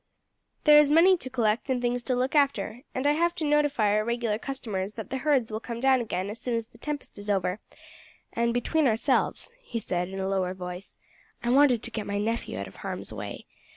There is money to collect and things to look after, and I have to notify to our regular customers that the herds will come down again as soon as the tempest is over; and between ourselves," he said in a lower voice, "I wanted to get my nephew out of harm's way.